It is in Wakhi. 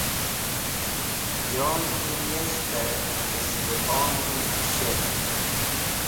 Jon ki niyas̃htẽ ẽstkhoni shet.